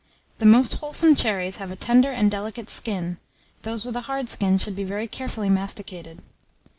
The most wholesome cherries have a tender and delicate skin; those with a hard skin should be very carefully masticated.